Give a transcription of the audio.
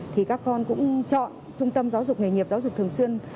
thì các con cũng chọn trung tâm giáo dục nghề nghiệp giáo dục thường xuyên